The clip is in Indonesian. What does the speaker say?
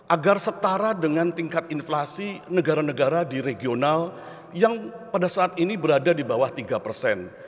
agar setara dengan tingkat inflasi negara negara di regional yang pada saat ini berada di bawah tiga persen